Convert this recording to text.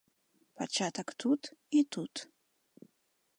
Пачатак тут і тут.